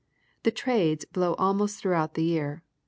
The "trades" blow almost, throughout the year.